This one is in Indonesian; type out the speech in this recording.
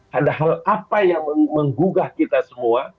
padahal apa yang menggugah kita semua